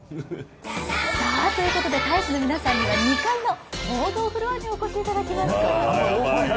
大使の皆さんには２階の報道フロアにお越しいただきました。